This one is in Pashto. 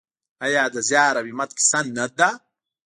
آیا د زیار او همت کیسه نه ده؟